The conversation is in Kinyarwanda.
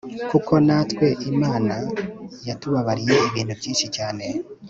kuko natwe imana yatubabariye ibintu byinshi cyane